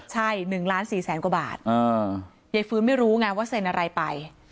ใช่๑ล้าน๔แสนกว่าบาทยายฟื้นไม่รู้ไงว่าเซ็นอะไรไป